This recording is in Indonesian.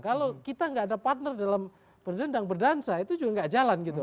kalau kita nggak ada partner dalam berdendang berdansa itu juga nggak jalan gitu